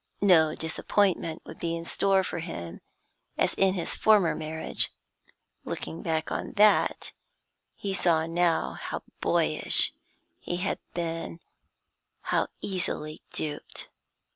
No disappointment would be in store for him as in his former marriage; looking back on that he saw now how boyish he had been, how easily duped.